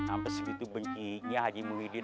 sampai segitu bencinya haji muhyiddin